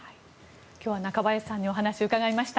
今日は中林さんにお話を伺いました。